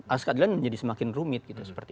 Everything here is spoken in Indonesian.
akses keadilan menjadi semakin rumit